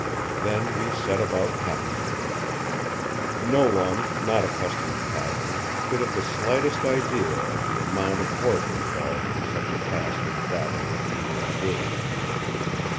Then we set about packing. No one, not accustomed to packing, could have the slightest idea of the amount of work involved in such a task as that in which in we were engaged.